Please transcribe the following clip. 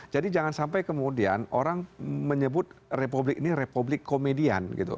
jadi jangan sampai kemudian orang menyebut republik ini republik komedian